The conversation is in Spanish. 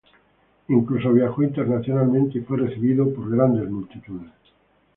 Incluso viajó internacionalmente y fue recibido por grandes multitudes.